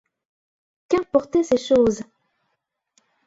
Qu'importaient ces choses!